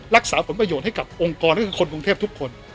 รักษาผลประโยชน์ให้กับองค์กรและคนกรุงเทพทุกคน